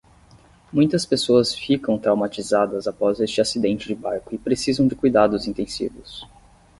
Muitas pessoas ficam traumatizadas após este acidente de barco e precisam de cuidados intensivos.